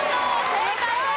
正解です。